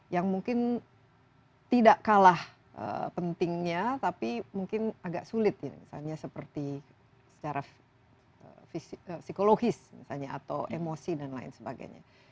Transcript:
yang mungkin tidak kalah pentingnya tapi mungkin agak sulit ya misalnya seperti secara psikologis misalnya atau emosi dan lain sebagainya